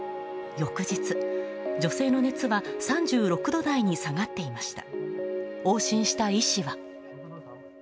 翌日、女性の熱は３６度台に下がっていました。